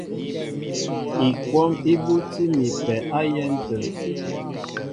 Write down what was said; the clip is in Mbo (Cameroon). Ikwɔ́m í búti mi a pɛ á yɛ̌n tə̂.